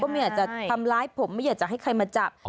ไม่อยากจะทำร้ายผมไม่อยากจะให้ใครมาจับ